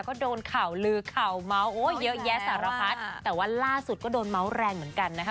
ก็โดนข่าวลือข่าวเมาส์โอ้ยเยอะแยะสารพัดแต่ว่าล่าสุดก็โดนเมาส์แรงเหมือนกันนะคะ